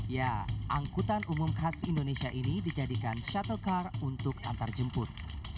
ya angkutan umum khas indonesia ini dijadikan shuttle car untuk antarjemput